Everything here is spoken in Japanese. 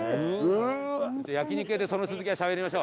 焼肉屋でその続きはしゃべりましょう。